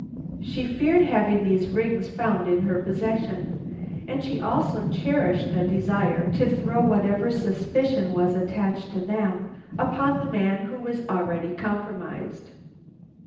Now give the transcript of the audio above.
She feared having these rings found in her possession, and she also cherished a desire to throw whatever suspicion was attached to them upon the man who was already compromised.